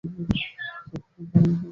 তার ফলে তার গলার রং নীল হয়ে গিয়েছিল।